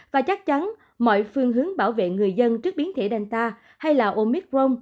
và chắc chắn mọi phương hướng bảo vệ người dân trước biến thể danta hay là omicron